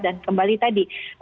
dan kembali tadi